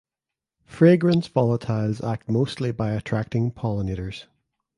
Fragrance volatiles act mostly by attracting pollinators.